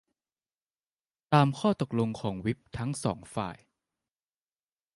ตามข้อตกลงของวิปทั้งสองฝ่าย